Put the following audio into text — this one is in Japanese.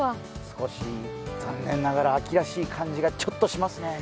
少し残念ながら秋らしい感じがちょっとしますね。